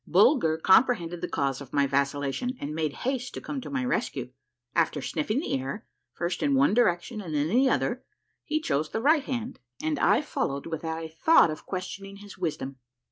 " Bulger comprehended the cause of my vacillation and made haste to come to my rescue. After sniffing the air, first in one direction and then in the other, he chose the right hand, and I followed without a thought of (piestioning his wisdom.